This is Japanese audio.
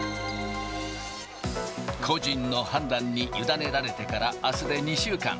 個人の判断に委ねられてから、あすで２週間。